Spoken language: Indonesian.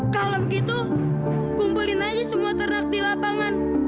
kalau begitu kumpulin aja semua ternak di lapangan